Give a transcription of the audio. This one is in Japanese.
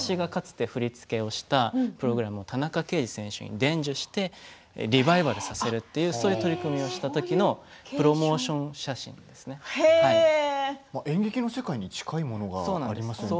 私が、かつて振り付けをしたプログラムを田中刑事選手に伝授してリバイバルさせるという取り組みをしたときの演劇の世界に近いものがありますね。